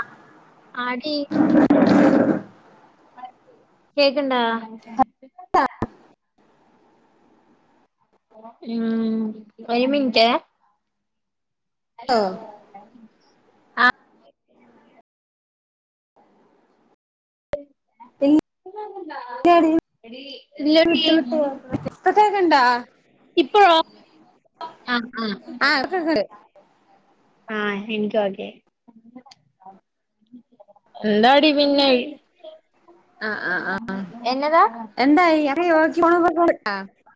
അ ആടി. കേക്ക്ണ്ടാ. ഉം ഒരു മിൻറ്റെ. ഓഹ്. ആ കേക്ക്ണ്ടാ ഇല്ലടി എടീ ഇല്ലടീ. ഇപ്പ കേക്ക്ണ്ടാ. ഇപ്പഴോ ആഹ് ആഹ്. ഇപ്പൊ കേക്ക്ണ്ട് ആഹ് എനിക്ക് ഒക്കെ. എന്താടി പിന്നെ. ആഹ് ആഹ് ആഹ് ആഹ് എന്നതാ എന്തായി അറിയോ [unintelligible]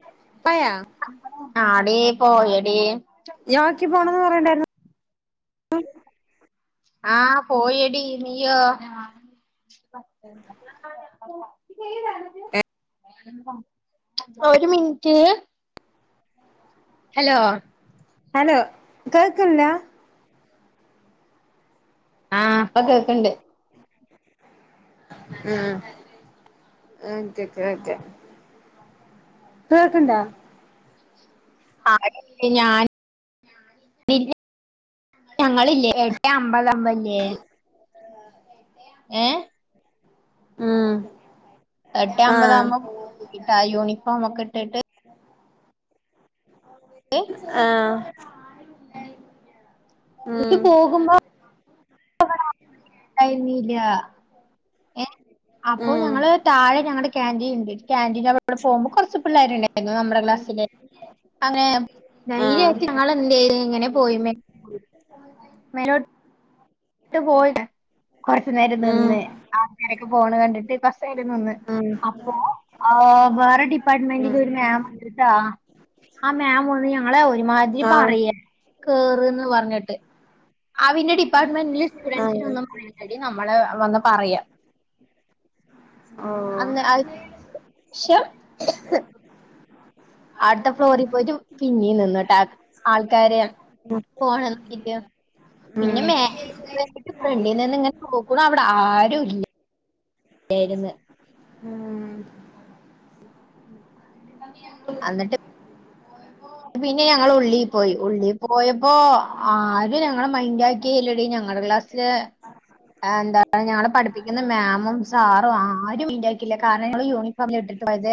പയാ. ആടീ പോയെടി. യാക്കി പോണംന്ന് പറയണ്ടായിരുന്നു. ആഹ് പോയടി നീയോ. [inaudible] ഒരു മിൻറ്റ്. ഹലോ ഹലോ കേൾക്ക്ണില്ല കേക്ക്ണില്ല. ആഹ് ഇപ്പൊ കേക്ക്ണ്ട്. ഉം ഉം കെട്ട്യോൻ വരട്ടെ. ഇപ്പ കേക്ക്ണ്ടാ. ആടി ഞാൻ. പിന്ന ഞങ്ങളില്ലേ എട്ടെ അമ്പതവുമ്പല്ലേ. ഏഹ്. ഉം എട്ടെ ആഹ് അമ്പതാമ്പൊ പോവും [unintelligible] യൂണിഫോം ഒക്കെ ഇട്ടിട്ട് [unintelligible] ആഹ് ഉം ന്നട്ട് പോകുമ്പ കഴ്ഞ്ഞില്ല ഏഹ് അപ്പൊ ഉം ഞങ്ങള് താഴെ ഞങ്ങടെ കാന്റീൻണ്ട് കാന്റീന്റവിടെ പോമ്പോ കൊർച്ച് പിള്ളേര്ണ്ട് നമ്മടെ ക്ലാസ്സില് [unintelligible] ആഹ് ഞങ്ങള് എന്ത് ചെയ്ത് ഇങ്ങനെ പോയി [unintelligible] ട്ട് പോയില്ല കൊർച്ച് നേരം ഉം നിന്ന് ആൾക്കാരൊക്കെ പോണ കണ്ടിട്ട് കൊർച്ചേരം നിന്ന് ഉം അപ്പൊ ആഹ് വേറെ ഉം ഡിപ്പാർട്ട്മെന്റില് ഒരു മാം ഇണ്ട്ട്ടാ ആ മാം വന്ന് ഞങ്ങളെ ഒരുമാതിരി ആഹ് പറയാ കേറ്ന്ന് പർഞ്ഞിട്ട് അഹ് പിന്നെ ഡിപ്പാർട്ട്മെന്റില് ആഹ് സ്റ്റുഡന്റ്സിനൊന്നും പറയടി നമ്മളെ വന്ന് പറയാ ആഹ് ഷം അട്ത്ത ഫ്ലോറി പോയിട്ട് പിന്നീ നിന്നട്ടാ ആൾക്കാരെ പോണ നോക്കിട്ട് ഉം പിന്നെ [inaudible] ഫ്രണ്ടി നിന്ന് ഇങ്ങനെ നോക്കണ അവിടെ ആരും ഇല്ല [unintelligible] ഉം എന്നിട്ട് പിന്നെ ഞങ്ങ ഉള്ളി പോയി ഉള്ളി പോയപ്പോ ആരും ഞങ്ങളെ മൈൻഡ് ആക്കിയെല്ലടീ ഞങ്ങളെ ക്ലാ [unintelligible] ആ എന്താണ് ഞങ്ങള പഠിപ്പിക്കുന്ന മാമും സാറും ആരും മൈൻഡാക്കില്ല കാരണം ഞങ്ങള് യൂണി [unintelligible] പോയത് അത്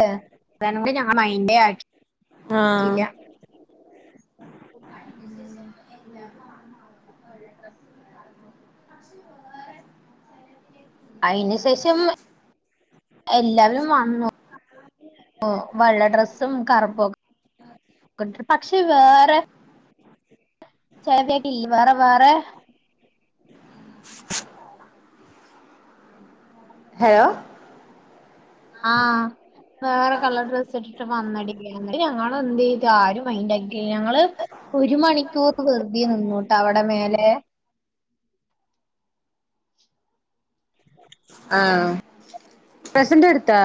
[unintelligible] ഞങ്ങളെ മൈന്റെ ആക്കി ആഹ് [inaudible] അയ്ന് ശേഷം എല്ലാവരും വന്നു വെള്ള ഡ്രസ്സും കറുപ്പൊ ക്കെട്ട് പക്ഷെ വേറെ [unintelligible] വേറെ വേറെ ഹലോ ആഹ് വേറെ കളർ ഡ്രസ്സ് ഇട്ടിട്ട് വന്നടി ന്നട്ട് ഞങ്ങളെ എന്തെയ്ത് ആരും മയിന്റ് ആക്കില്ല ഞങ്ങള് ഒരു മണിക്കൂർ വെറ്തെ നിന്നൂട്ടാ അവിടെ മേലെ ആഹ് പ്രസന്റ് എട്ത്താ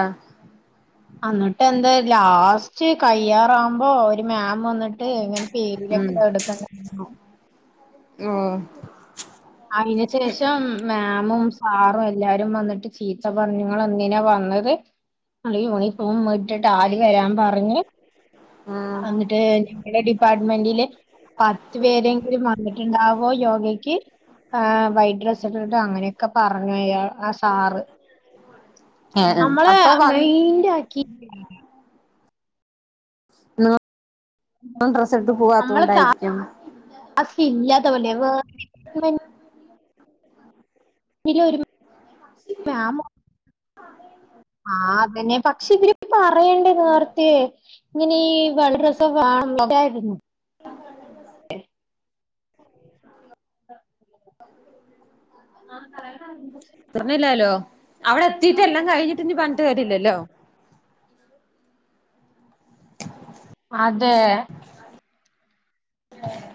അന്നിട്ട് എന്താ ലാസ്റ്റ് കയ്യാറാവുമ്പോ ഒരു മാം വന്നിട്ട് ഇങ്ങനെ ഉം പേരിലൊക്കെ എട്ക്കണ്ടായ്രുന്നു [unintelligible] അയ്ന് ശേഷം മാമും സാറും എല്ലാരും വന്നിട്ട് ചീത്ത പറഞ്ഞു ഇങ്ങളന്തിനാ വന്നത് ഈ യൂണിഫോം ഇട്ടിട്ട് ആര് വരാൻ പറഞ്ഞ് എന്നിട്ട് ങ്ങളെ ഡിപ്പാർട്ട്മെന്റില് പത്ത് പേരെങ്കിലും വന്നിട്ട്ണ്ടാവോ യോഗക്ക് ആഹ് വൈറ്റ് ഡ്രസ് ഇട്ടിട്ട് അങ്ങനെയൊക്കെ പറഞ്ഞു അയാ ആ സാറ് ആഹ് അമ്മളെ അപ്പൊ വന്ന് മൈൻഡ് ആക്കി നിങ്ങളും ഡ്രസ്സ് ഇട്ട് നമ്മളെ പോവാത്തുണ്ടായിരിക്കുംന്ന് [unintelligible] [unintelligible] ആഹ് അതന്നെ പക്ഷെ ഇവര് പറയണ്ടേ നേർത്തെ ഇങ്ങനെ [unintelligible] ആഹ് പറയണാരുന്നു റിഞ്ഞില്ലാലോ അവിടെ എത്തിയിട്ട് എല്ലാം കഴിഞ്ഞിട്ട് ഇനി പറഞ്ഞിട്ട് കാര്യല്ലല്ലോ അതേയ് ആ [inaudible]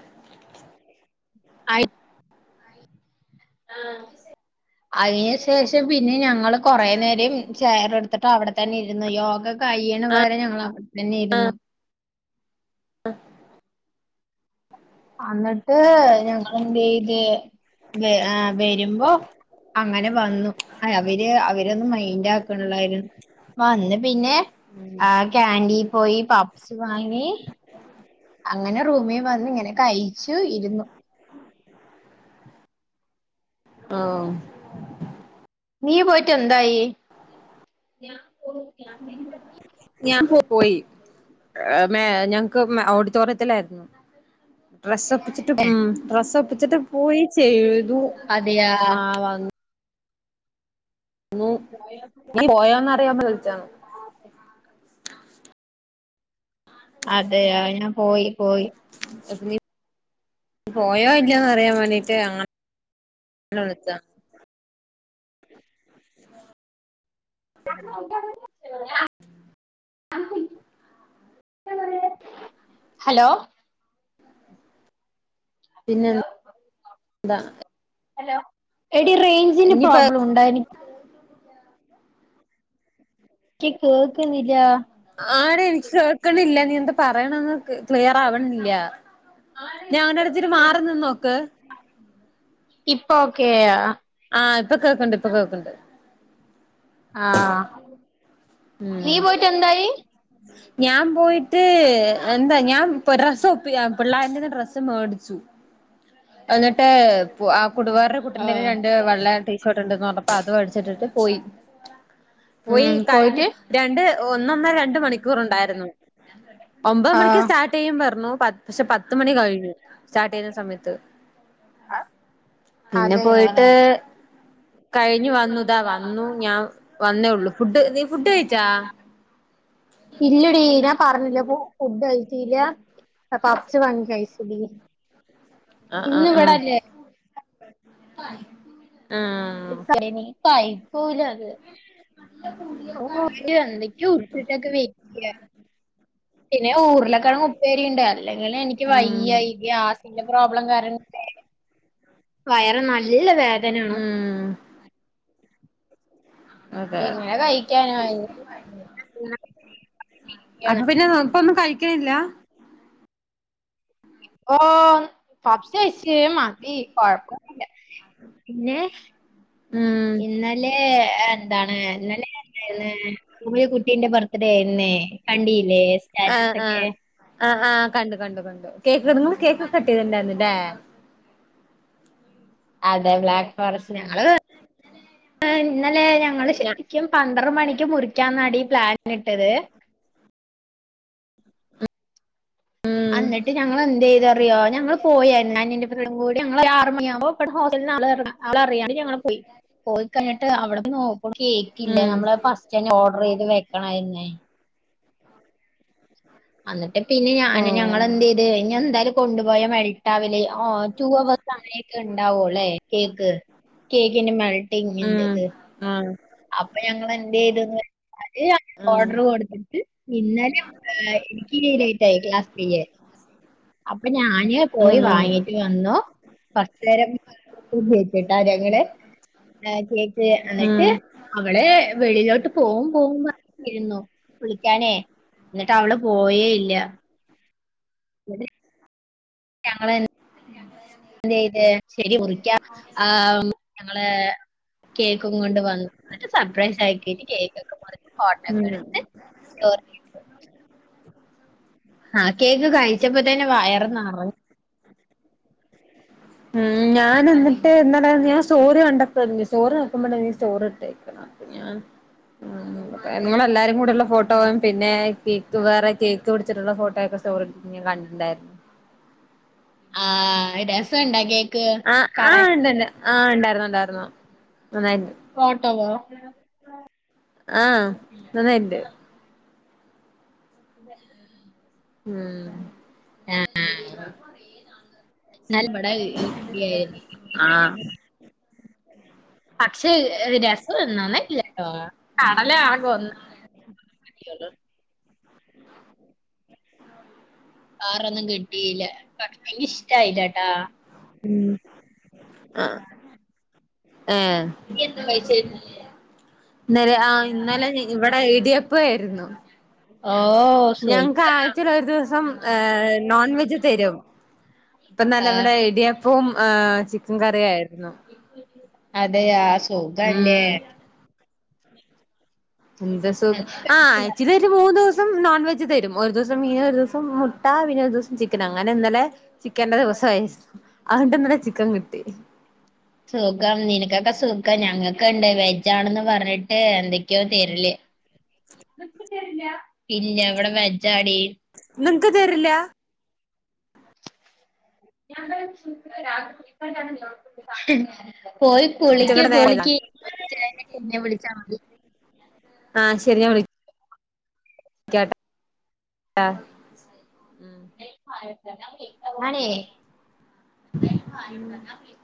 ആയി അതിന് ശേഷം പിന്നെ ഞങ്ങള് കൊറേ നേരം ചെയർ എടുത്തിട്ട് അവിടെ ത തന്നെ ഇരുന്നു യോഗ കയിയണ വരെ ഞങ്ങള അവിടെ തന്നെ ഇരുന്നു ആഹ് എന്നിട്ട് ഞങ്ങള് എന്ത്ചെയ്ത് ആഹ് വരുമ്പോ അങ്ങനെ വന്നു അവര് അവരൊന്നും മൈൻഡ് ആക്കണില്ലായിരുന്നു വന്ന് പിന്നെ ആ ക്യാന്റീ പോയി പപ്സ് വാങ്ങി അങ്ങനെ റൂമിൽ വന്ന് ഇങ്ങനെ കഴിച്ചു ഇരുന്നു ആ ഓഹ് [inaudible] നീ പോയിട്ട് എന്തായി ഞാൻ പോയി മ ഞങ്ങക്ക് ഓഡിറ്റോറിയത്തിലായിരുന്നു ഡ്രസ്സ് ഒപ്പിച്ചിട്ട് ഉം ഡ്രസ്സ് ഒപ്പിച്ചിട്ട് പോയി ചെയ്തു അതെയാ ആ വന്നു ന്നു നീ പോയോന്ന് അറിയാൻ വിളിച്ചാണ് അതെയ ഞാൻ പോയി പോയി അപ്പം നീ പോയോ ഇല്ലന്ന് അറിയാൻ വേണ്ടീട്ട് അങ്ങ വിളിച്ചതാ [inaudible] ഹലോ പിന്നെ എന്താ ഹലോ എടി റേഞ്ചിന് ഇനിയിപ്പ പ്രോബ്ലം ഉണ്ടോ എനി ക്ക് കേൾക്കുന്നില്ല ആഹ് ടി എനിക്ക് കേൾക്കണില്ല നീ എന്ത് പറയണ്ന്ന് ക്ലി ക്ലിയർ ആവണില്ല [unintelligible] മാറി നിന്ന് നോക്ക് ഇപ്പൊ ഓക്കെ ആയോ ആഹ് ഇപ്പം കേൾക്കണ്ട് ഇപ്പൊ കേൾക്ക്ണ്ട് ആഹ് നീ പോയിട്ട് എന്തായി ഉ [inaudible] ഞാൻ പോയിട്ട് എന്താ ഞാൻ ഡ്രസ്സ് ഒപ്പി പിള്ളേന്റെന്ന് ഡ്രസ്സ് മേടിച്ചു എന്നിട്ട് ആ കുടുബാരുടെ കുട്ടിന്റെ ആഹ് രണ്ട് വെള്ള ടീ ഷോർട്ടുണ്ടന്ന് പറഞ്ഞപ്പ അത് അടിച്ചിട്ടിട്ട് പോയി പോയി ഉം കഴിഞ്ഞു പോയിട്ട് രണ്ട് ഒന്നൊന്നര രണ്ട് മണിക്കൂർ ഉണ്ടായിരുന്നു ഒമ്പത് മണിക്കൂർ ആഹ് സ്റ്റാർട്ട് ട്ട് ചെയ്യും പറഞ്ഞു പ പക്ഷെ പത്ത് മണി കഴിഞ്ഞു സ്റ്റാർട്ട് ചെയ്ത സമയത്ത് പിന്നെ അതെയാ പോയിട്ട് കഴിഞ്ഞു വന്നു താ വന്നു ഞാൻ വന്നേള്ളു ഫുഡ് നീ ഫുഡ് കഴിച്ചാ ഇല്ലടി ഞാൻ പറഞ്ഞില്ലേ ഫുഡ് കഴിച്ചില്ല ആ പപ്പ്‌സ് വാങ്ങി കഴിച്ചെടീ ആഹ് ആഹ് ആഹ് ആഹ് [unintelligible] അത് ഓഹ് അയ്ല് എന്തൊക്കെയോ ഉപ്പിട്ടൊക്കെ വെക്ക പിന്നെ ഊരുളകിഴങ്ങ് ഉപ്പേരി ഉണ്ട് അല്ലെങ്കിലേ എനിക്ക് ആഹ് ഉം വയ്യായി ഗ്യാസിന്റെ പ്രോബ്ലം കാരണെ വയറ് നല്ല വേദനാണ് ഉം അതെ എങ്ങനെ കഴിക്കാനാ അപ്പൊ പിന്നെ [unintelligible] കഴിക്കലില്ലാ ഓഹ് പപ്പ്സ്‌ കഴിച്ചയിഞ്ഞാ മതി കൊഴ ല്ലാ പിന്നെ ഉം ഇന്നലെ എന്താണ് ഇന്നലെ [unintelligible] പോയ കുട്ടീന്റെ ബർത്ത്ഡേ ഇന്നേ കണ്ടീല്ലേ ആഹ് ആഹ് ആഹ് ആഹ് കണ്ടു കണ്ടു കണ്ടു കേക്ക് ഇങ്ങള് കേക്കൊക്കെ കട്ടെയ്തിണ്ടായിര്ന്നുല്ലേ അതെ ബ്ലാക്ക് ഫോറസ്റ്റ് ഞങ്ങള് [inaudible] ഇന്നലെ ഞങ്ങള് ശ ഞാ രിക്കും പന്ത്ര മണിക്ക് മുറിക്കാന്നാടീ പ്ലാൻ ഇട്ടത് ഉം അന്നിട്ട് ഞങ്ങളെന്ത് ചെയ്ത്റിയോ ഞങ്ങള് പോയായിരുന്നു ഞാനും ഇന്റെ ഫ്രണ്ടും കൂടിം ഞങ്ങള് ആറ് മണിയാവ്മ്പോ ഇവിടെ ഹോസ്റ്റേല്ന്ന് [unintelligible] അവളറിയാ [unintelligible] ഞങ്ങള് പോയി പോയി കഴിഞ്ഞിട്ട് അവിടന്ന് നോക്കുമ്പോ കേക്കില്ല ഉം നമ്മള് ഫസ് റ്റെന്നെ ഓർഡറെയ്ത് വെക്കണായിര്ന്നെ അന്നിട്ട് പിന്നെ ഓ ഞാൻ ഞങ്ങള് എന്തെയ്ത് ഇഞ്ഞ് എന്തായാലും കൊണ്ടുപോയ മെൽറ്റാവല് ആഹ് ടു ഹവേഴ്സ് അങ്ങനൊക്കെ ഇണ്ടാവു ലേ കേക്ക് കേക്കിന്റെ ഉം മൾട്ടിങ്ന്റെത് ആഹ് അപ്പൊ ഞങ്ങള് എന്തെയ്തൂന്ന് വെ അത് ആഹ് ഓർഡർ കൊട്ത്ത്ട്ട് ഇന്നലെ എനിക്ക് ലേറ്റ് ആയി ക്ലാസ് [unintelligible] അപ്പം ഞാന് പോയി ഉം വാങ്ങീട്ട് വന്നു ഫസ്റ്റ് [unintelligible] [unintelligible] ഏ കേക്ക് എന്നിട്ട് ഉം അവള് വെളിയിലോട്ട് പോവും പോവും പറഞ്ഞിര്ന്നു വിളിക്കാനേ എന്നിട്ട് അവള് പോയേ ഇല്ല ഇന്നെട്ട് ഞങ്ങളെൻ ഞങ്ങളെ എന്തെയ്തെ ശെരി മുറിക്കാ ആ ഞങ്ങള് കേക്കും കൊണ്ട് വന്നു ഇന്നെട്ട് സർപ്രൈസ് ആക്കീട്ട് കേക്കൊക്കെ മുറി ഫോട്ടോക്കെ ഉം എട്ത്ത് ചോറ് ആഹ് കേക്ക് കഴിച്ചപ്പോ തന്നെ വയറ് നറ ആഹ് ഞാൻ എന്നിട്ട് ന്നാ ഞാൻ സ്റ്റോറി കണ്ടപ്പന്നെ സ്റ്റോറി നോക്കുമ്പോ നീ സ്റ്റോറി ഇട്ടേക്ക്ണ് അപ്പ ഞാൻ [unintelligible] ഇങ്ങളെല്ലാരും കൂടെള്ള ഫോട്ടോ പിന്നെ കേക്ക് വേറെ കേക്ക് വെച്ചിട്ട്ള്ള ഫോട്ടോക്കെ സ്റ്റോറിയിട്ട്ട്ട് ഞാൻ കണ്ടിട്ട്ണ്ടായിരുന്നു ആഹ് അത് രസണ്ടോ കേ ആഹ് ആഹ് ഇണ്ട്ണ്ട് ആഹ് ഇണ്ടായിരുന്നുണ്ടായിരുന്നു നന്നായിരുന്നു ഫോട്ടോവൊ ആഹ് നന്നായിട്ട്ണ്ട് ഏഹ് എന്നാൽ ഇവിടെ ഇഡ്ഡലിയായിരുന്നു ആഹ് പക്ഷേ രസാര്ന്നു നന്നായിട്ടില്ലട്ടോ കടല ആകെ ഒന്ന് [unintelligible] [unintelligible] കിട്ടീല എനിക്ക് ഇഷ്ട്ടായില്ലട്ടോ ഉം ആഹ ഏ ഹ് നീ എന്ത് കഴിച്ചായിരുന്നു ഇന്നലെ ആ ഇന്നലെ ഇവിടെ ഇഡിയപ്പായിരുന്നു ഓ ഞങ്ങക്ക് സുഖം ആഴ്ച്ചയിൽ ഒരു ദിവസം- നോൺ വെജ് തരും ഇപ്പ നാള് ആ ഇവിടെ ഇടിയപ്പവും ചിക്ക് ൻ കറിയായിരുന്നു. അതെയാ ഉം സുഖല്ലേ എന്ത് സുഖ ആഹ് നല്ല ആഴ്ച്ചയിൽ ഒരു മൂന്നുസം നോൺവെജ് തരും ഒരു ദിവസം മീന് ഒരു ദിവസം മുട്ട പിന്നെ ഒരു ദിവസം- ചിക്കൻ അങ്ങനെ ഇന്നലെ ചിക്കന്റെ ദിവസായി അതുകൊണ്ട് ഇന്നലെ ചിക്കൻ കിട്ടി സുഖം നിനക്കൊക്കെ സുഖം ഞങ്ങക്ക് ഇണ്ട് വെജാണെന്ന് പറഞ്ഞിട്ട് എന്തൊക്കെയോ തരല് [inaudible] ഇല്ല ഇവടെ വെജാടി നിനക്ക് തരില്ല ഞ പോയി [inaudible] കുറച്ചും കുളിക്ക് കൂടെ നേരം കുളിക്ക് ശെരി പിന്നെ വിളിച്ചാൽ മതി ആഹ് ശരി ഞാൻ വിളി ആഹ ഞാനെ അ